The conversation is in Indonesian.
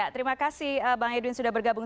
terima kasih bang edwin sudah bergabung